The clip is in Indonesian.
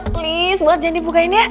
please buat jangan dibukain ya